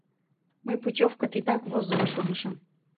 Мый путёвка титак возымо шонышым...